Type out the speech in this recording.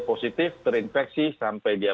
positif terinfeksi sampai dia